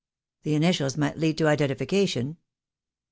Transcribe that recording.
"The initials might lead to identification."